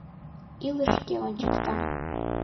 — Илыш шке ончыкта.